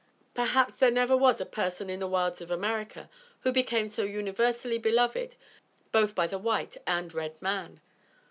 Perhaps there never was a person in the wilds of America who became so universally beloved both by the white and red man.